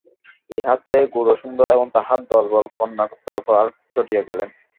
ইহাতে গৌরসুন্দর এবং তাঁহার দলবল কন্যাকর্তার উপর আরো চটিয়া গেলেন।